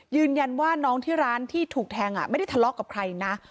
ยืนยันว่าน้องที่ร้านที่ถูกแทงไม่ได้ทะเลาะกับใครนะ